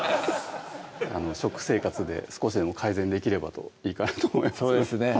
食生活で少しでも改善できればいいかなと思いますそうですね